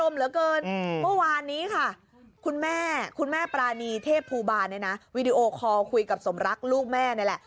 เมื่อวานนี้คุณแม่ปรานีเทพภูบาคุยกับสมรักลูกแม่นี่แหละ